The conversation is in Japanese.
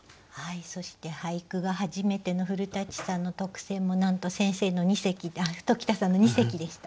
そして俳句が初めての古さんの特選もなんと先生の二席鴇田さんの二席でした。